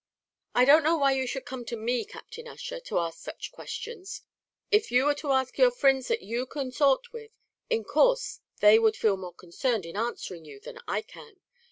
"I don't know why you should come to me, Captain Ussher, to ask such questions. If you were to ask your own frinds that you consort with, in course they would feel more concerned in answering you than I can.